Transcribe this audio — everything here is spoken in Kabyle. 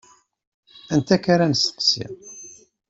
Anta akk ara nesteqsi?